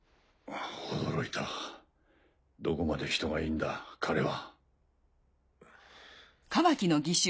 驚いたどこまで人がいいんだ彼は。